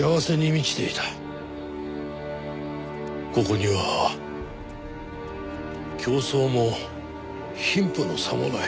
ここには競争も貧富の差もない。